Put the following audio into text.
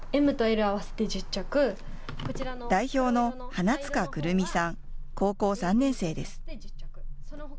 代表の花塚来実さん、高校３年生です。